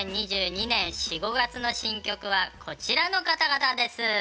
２０２２年４５月の新曲はこちらの方々です。